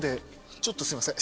ちょっとすいません。